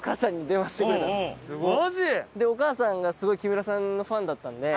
でお母さんがすごい木村さんのファンだったんで。